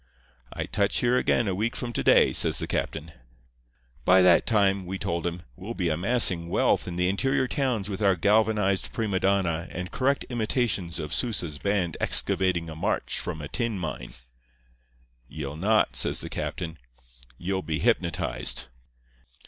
"'I touch here again a week from to day,' says the captain. "'By that time,' we told him, 'we'll be amassing wealth in the interior towns with our galvanized prima donna and correct imitations of Sousa's band excavating a march from a tin mine.' "'Ye'll not,' says the captain. 'Ye'll be hypnotized.